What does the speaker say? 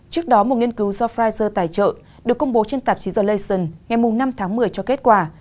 trước đó một nghiên cứu do pfizer tài trợ được công bố trên tạp chí the leysen ngày năm tháng một mươi cho kết quả